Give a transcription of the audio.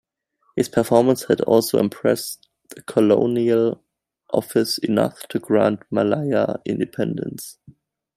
His performance had also impressed the Colonial Office enough to grant Malaya independence.